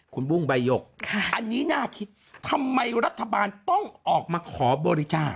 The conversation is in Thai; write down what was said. คุณบุ้งใบหยกอันนี้น่าคิดทำไมรัฐบาลต้องออกมาขอบริจาค